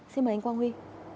xin mời anh quang huy